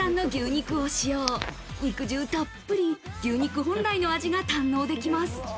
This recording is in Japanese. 肉汁たっぷり、牛肉本来の味が堪能できます。